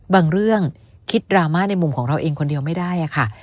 เรื่องคิดดราม่าในมุมของเราเองคนเดียวไม่ได้ค่ะ